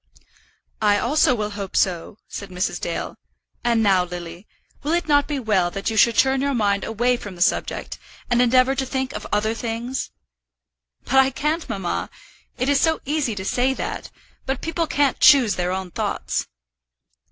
"I also will hope so," said Mrs. Dale. "And now, Lily, will it not be well that you should turn your mind away from the subject, and endeavour to think of other things?" "But I can't, mamma. It is so easy to say that; but people can't choose their own thoughts."